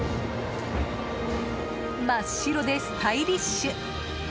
真っ白でスタイリッシュ。